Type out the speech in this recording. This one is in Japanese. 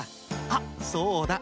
あっそうだ！